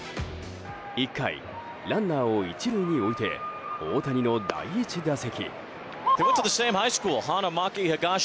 １回、ランナーを１塁に置いて大谷の第１打席。